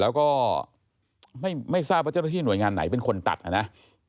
แล้วก็ไม่ทราบว่าเจ้าหน้าที่หน่วยงานไหนเป็นคนตัดนะ